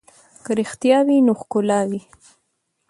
که رښتیا وي نو ښکلا وي.